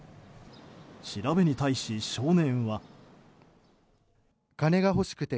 調べに対し少年は。